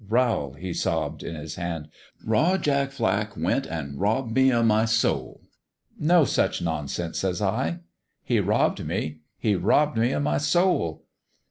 ' Rowl/ he sobbed, in his hand, * Raw Jack Flack went an' robbed me of my soul.' "' No such nonsense 1 ' says I. "' He robbed me he robbed me of my soul.'